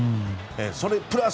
それプラス